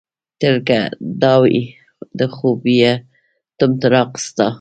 تل که دا وي د خوبيه طمطراق ستا